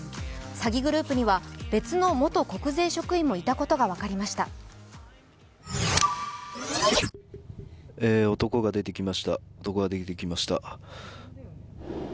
詐欺グループには別の元国税職員もいたことが分かりました。